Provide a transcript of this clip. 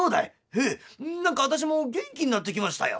「へえ何か私も元気になってきましたよ」。